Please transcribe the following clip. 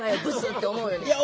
って思うよね。